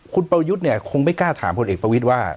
คุณประวัติศาสตร์เนี่ยคงไม่กล้าถามคนเอกประวิทธิ์ว่า